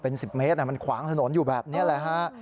เป็น๑๐เมตรมันขวางถนนอยู่แบบนี้แหละฮะ